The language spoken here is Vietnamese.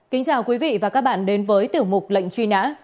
kính chào quý vị và các bạn đến với tiểu mục lệnh truy nã